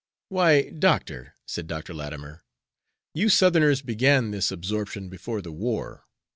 "Why, Doctor," said Dr. Latimer, "you Southerners began this absorption before the war.